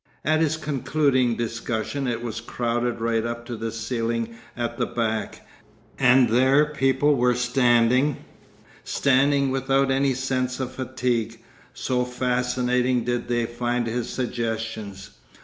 At his concluding discussion it was crowded right up to the ceiling at the back, and there people were standing, standing without any sense of fatigue, so fascinating did they find his suggestions.